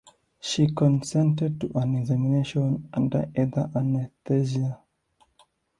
She consented to an examination under ether anesthesia.